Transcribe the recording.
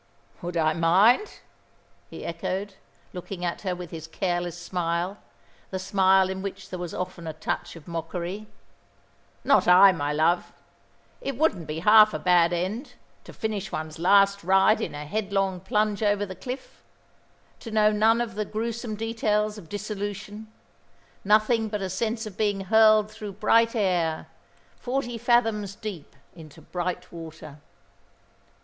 "Would I mind?" he echoed, looking at her with his careless smile, the smile in which there was often a touch of mockery. "Not I, my love. It wouldn't be half a bad end, to finish one's last ride in a headlong plunge over the cliff to know none of the gruesome details of dissolution nothing but a sense of being hurled through bright air, forty fathoms deep into bright water.